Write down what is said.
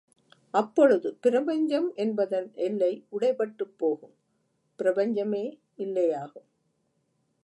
அப்பொழுது பிரபஞ்சம் என்பதன் எல்லை உடை பட்டுப் போகும் பிரபஞ்சமே இல்லையாகும்.